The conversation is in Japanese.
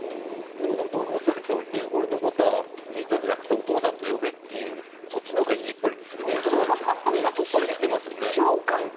おっしゃるとおり俺のことはじいちゃんじゃなくてお父さんと言えってそっちの方が意地っ張りですよね。